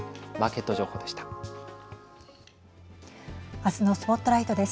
明日のＳＰＯＴＬＩＧＨＴです。